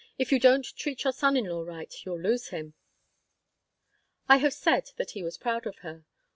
"If you don't treat your son in law right you'll lose him." I have said that he was proud of her.